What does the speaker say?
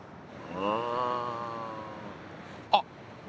うんあっ！